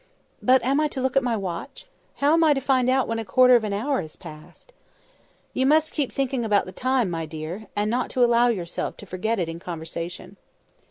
"But am I to look at my watch? How am I to find out when a quarter of an hour has passed?" "You must keep thinking about the time, my dear, and not allow yourself to forget it in conversation."